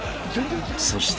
［そして］